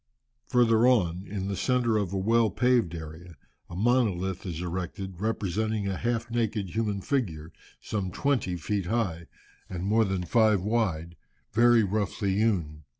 Further on, in the centre of a well paved area, a monolith is erected, representing a half naked human figure, some twenty feet high, and more than five wide, very roughly hewn.